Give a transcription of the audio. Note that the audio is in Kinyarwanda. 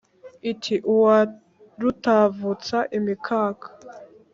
Iti « uwa rutavutsa imikaka